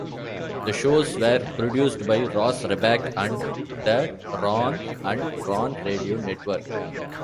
The shows were produced by Ross Reback and The Ron and Ron Radio Network.